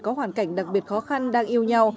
có hoàn cảnh đặc biệt khó khăn đang yêu nhau